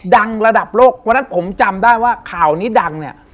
ดังระดับโลกวันนั้นผมจำได้ว่าข่าวนี้ดัง